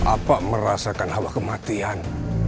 apa merasakan hawa kematian